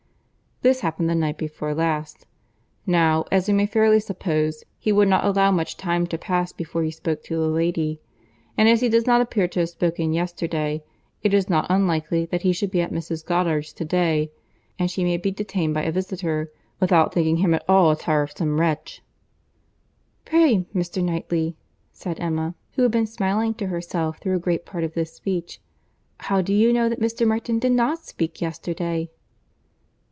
This happened the night before last. Now, as we may fairly suppose, he would not allow much time to pass before he spoke to the lady, and as he does not appear to have spoken yesterday, it is not unlikely that he should be at Mrs. Goddard's to day; and she may be detained by a visitor, without thinking him at all a tiresome wretch." "Pray, Mr. Knightley," said Emma, who had been smiling to herself through a great part of this speech, "how do you know that Mr. Martin did not speak yesterday?"